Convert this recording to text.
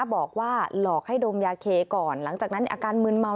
บอกว่าหลอกให้ดมยาเคก่อนหลังจากนั้นอาการมืนเมา